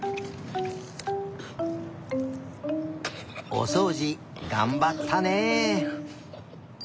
おそうじがんばったね！